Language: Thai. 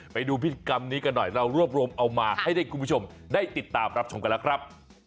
ไปดูพิธีกรรมนี้กันหน่อยเรารวบรวมเอามาให้ได้คุณผู้ชมได้ติดตามรับชมกันแล้วครับ